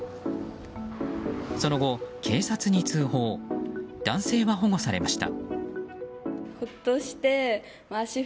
その後、警察に通報男性は保護されました。